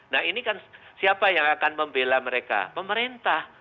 nah ini kan siapa yang akan membela mereka pemerintah